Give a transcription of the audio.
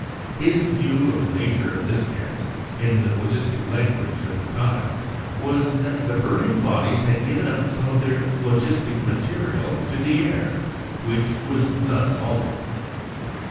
His view of the nature of this gas, in the phlogistic language of the time, was that the burning bodies had given up some of their 'phlogistic material' to the air, which was thus altered.